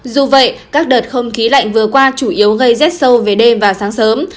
dù vậy các đợt không khí lạnh vừa qua chủ yếu gây rét sâu về đêm và sáng sớm